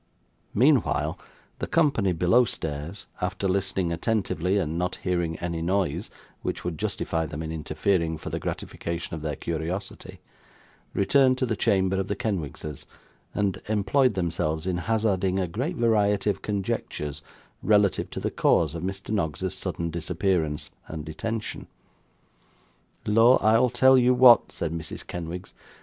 Meanwhile, the company below stairs, after listening attentively and not hearing any noise which would justify them in interfering for the gratification of their curiosity, returned to the chamber of the Kenwigses, and employed themselves in hazarding a great variety of conjectures relative to the cause of Mr. Noggs' sudden disappearance and detention. 'Lor, I'll tell you what,' said Mrs. Kenwigs.